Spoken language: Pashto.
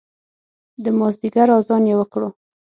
د مازدیګر اذان یې وکړو